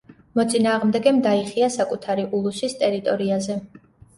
მოწინააღმდეგემ დაიხია საკუთარი ულუსის ტერიტორიაზე.